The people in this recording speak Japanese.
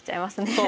そう。